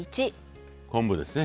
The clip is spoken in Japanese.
昆布ですね。